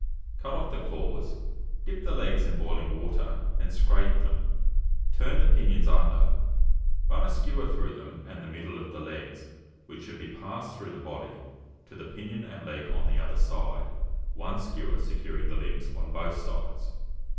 Cut off the claws; dip the legs in boiling water, and scrape them; turn the pinions under, run a skewer through them and the middle of the legs, which should be passed through the body to the pinion and leg on the other side, one skewer securing the limbs on both sides.